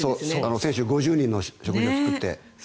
選手５０人の食事を作って。